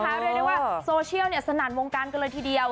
เรียกได้ว่าโซเชียลสนั่นวงการกันเลยทีเดียว